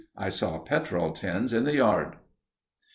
I saw petrol tins in the yard.